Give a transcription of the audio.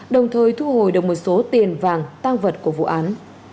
đồng thời thu hồi được một số tiền vàng tăng vật của vụ án